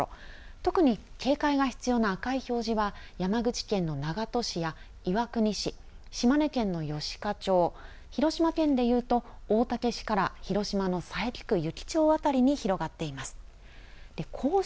特に警戒が必要な赤い表示は山口県の長門市、岩国市、島根県の吉賀町、広島県で言うと、大竹市から東の佐伯区湯来町辺りに広がっています。